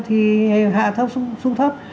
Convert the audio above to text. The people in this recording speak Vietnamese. thì hạ thấp xuống thấp